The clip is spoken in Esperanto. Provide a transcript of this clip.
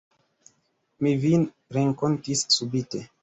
Mi vin renkontis subite.